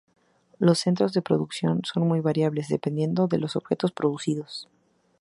Los centros de producción son muy variables dependiendo de los objetos producidos.